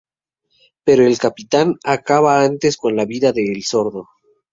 Pero el capitán acaba antes con la vida de El Sordo.